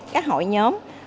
các hội nhóm